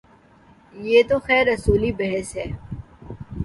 یہ تو خیر اصولی بحث ہے۔